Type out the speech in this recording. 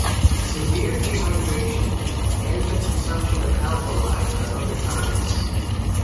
Severe dehydration, and the consumption of alkali are other causes.